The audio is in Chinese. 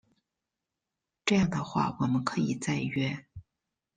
这样的话我们可以再约